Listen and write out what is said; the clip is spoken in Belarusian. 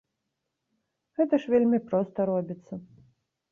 Гэта ж вельмі проста робіцца.